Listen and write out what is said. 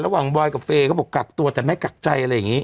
บอยกับเฟย์เขาบอกกักตัวแต่ไม่กักใจอะไรอย่างนี้